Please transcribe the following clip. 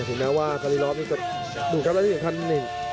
ถึงแม้ว่าคารีลอฟนี่ก็ดูครับแล้วที่ท่านนี่